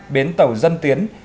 biến tàu dân tiến